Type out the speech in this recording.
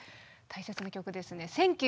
大切な曲ですね。